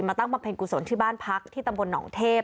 ตั้งบำเพ็ญกุศลที่บ้านพักที่ตำบลหนองเทพ